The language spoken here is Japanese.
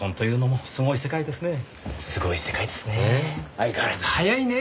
相変わらず早いね。